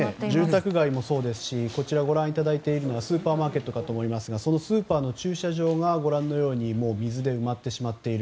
住宅街もそうですしご覧いただいているのはスーパーマーケットだと思いますがそのスーパーの駐車場が水で埋まってしまっている。